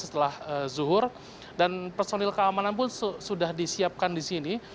setelah zuhur dan personil keamanan pun sudah disiapkan di sini